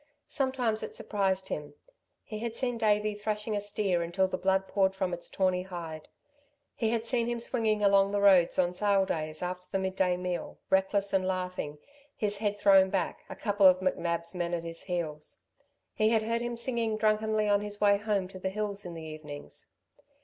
Sometimes it surprised him. He had seen Davey thrashing a steer until the blood poured from its tawny hide. He had seen him swinging along the roads on sale days after the midday meal, reckless and laughing, his head thrown back, a couple of McNab's men at his heels. He had heard him singing drunkenly on his way home to the hills in the evenings.